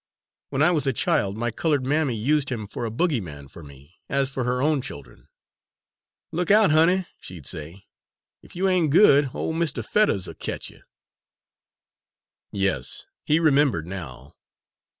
When I was a child, my coloured mammy used him for a bogeyman for me, as for her own children." "'Look out, honey,' she'd say, 'ef you ain' good, ole Mr. Fettuhs 'll ketch you.'" Yes, he remembered now.